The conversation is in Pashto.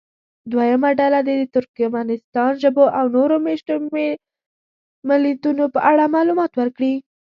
دویمه ډله دې د ترکمنستان ژبو او نورو مېشتو ملیتونو په اړه معلومات ورکړي.